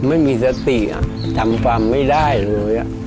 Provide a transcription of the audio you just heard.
ไม่มีสติเหมือนสมภารณลูกใหญ่